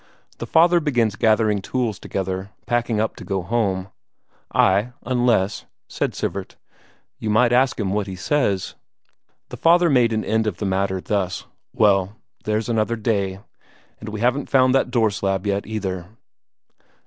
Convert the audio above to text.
The father begins gathering tools together, packing up to go home. "Ay, unless ..." said Sivert. "You might ask him what he says." The father made an end of the matter thus: "Well, there's another day, and we haven't found that door slab yet, either."